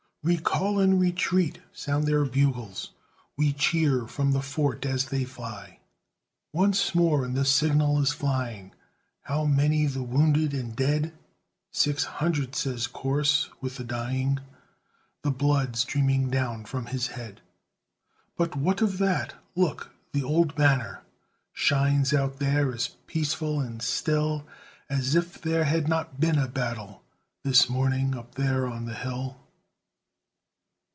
"Recall and retreat," sound their bugles; We cheer from the fort as they fly. Once more and the signal is flying "How many the wounded and dead?" "Six hundred," says Corse, "with the dying," The blood streaming down from his head. "But what of that? Look! the old banner Shines out there as peaceful and still As if there had not been a battle This morning up there on the hill."